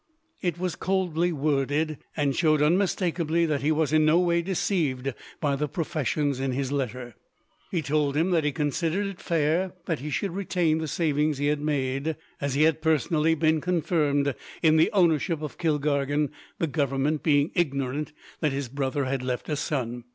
It was coldly worded, and showed unmistakably that he was, in no way, deceived by the professions in his letter. He told him that he considered it fair that he should retain the savings he had made, as he had personally been confirmed in the ownership of Kilkargan, the Government being ignorant that his brother had left a son.